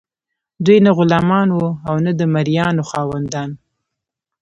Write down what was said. دوی نه غلامان وو او نه د مرئیانو خاوندان.